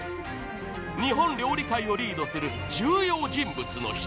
［日本料理界をリードする重要人物の１人です］